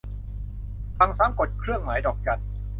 ฟังซ้ำ กดเครื่องหมายดอกจัน